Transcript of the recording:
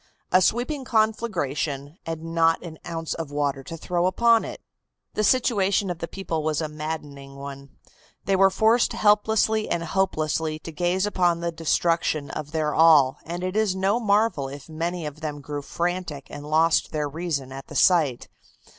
A sweeping conflagration and not an ounce of water to throw upon it! The situation of the people was a maddening one. They were forced helplessly and hopelessly to gaze upon the destruction of their all, and it is no marvel if many of them grew frantic and lost their reason at the sight.